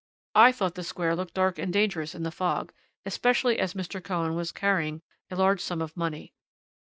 I thought the Square looked dark and dangerous in the fog, especially as Mr. Cohen was carrying a large sum of money.